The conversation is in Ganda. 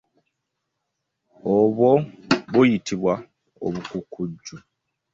Obw'o buyitibwa obukukujju.